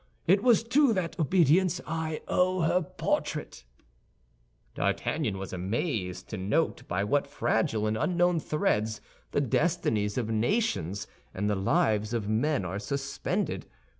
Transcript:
It was to that obedience I owe her portrait." D'Artagnan was amazed to note by what fragile and unknown threads the destinies of nations and the lives of men are suspended.